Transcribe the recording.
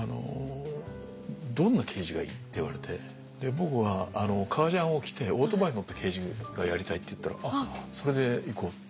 「どんな刑事がいい？」って言われてで僕は「革ジャンを着てオートバイに乗った刑事がやりたい」って言ったら「それでいこう」って。